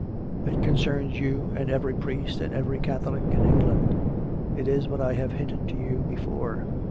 " It concerns you and every priest and every Catholic in England. It is what I have hinted to you before."